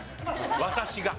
私が。